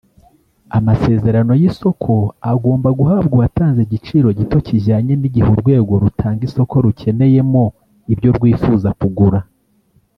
Amasezerano y’isoko agomba guhabwa uwatanze igiciro gito kijyanye n’igihe urwego rutanga isoko rukeneyemo ibyo rwifuza kugura